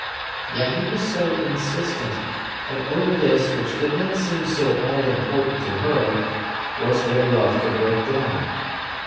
Yet he was so insistent; and over this, which did not seem so all important to her, was their love to break down.